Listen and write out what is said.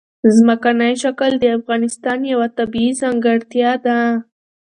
ځمکنی شکل د افغانستان یوه طبیعي ځانګړتیا ده.